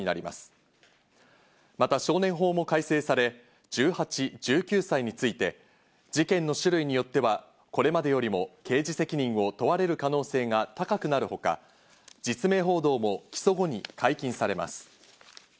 また少年法も改正され、１８、１９歳について事件の種類によってはこれまでよりも刑事責任を問われる可能性が高くなるほか、実名報道も起訴後に解禁されます。